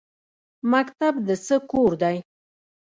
مکتب د څه کور دی؟